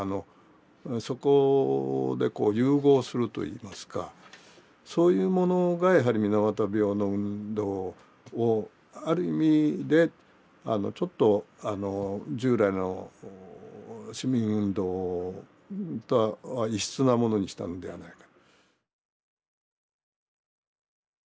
そこでこう融合するといいますかそういうものがやはり水俣病の運動をある意味でちょっと従来の市民運動とは異質なものにしたのではないか。